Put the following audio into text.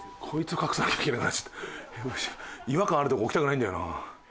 違和感あるとこ置きたくないんだよな。